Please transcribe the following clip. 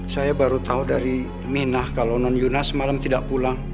saya baru tahu dari minah kalau non yunas malam tidak pulang